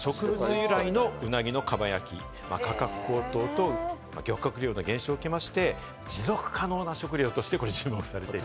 由来の鰻のかば焼き、価格高騰と漁獲量の減少を受けまして、持続可能な食料としてこれ注目されている。